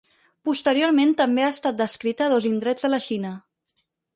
Posteriorment també ha estat descrita a dos indrets de la Xina.